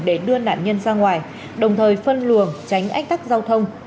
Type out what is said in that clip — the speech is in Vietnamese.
để đưa nạn nhân sang ngoài đồng thời phân lường tránh ách tắc giao thông